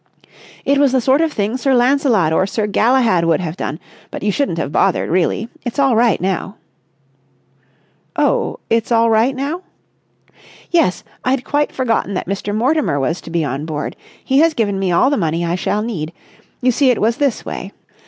"It was the sort of thing Sir Lancelot or Sir Galahad would have done! But you shouldn't have bothered, really! It's all right, now." "Oh, it's all right now?" "Yes. I'd quite forgotten that Mr. Mortimer was to be on board. He has given me all the money I shall need. You see it was this way.